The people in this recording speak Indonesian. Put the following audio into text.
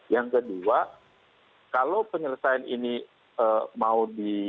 yang kedua kalau penyelesaian ini mau di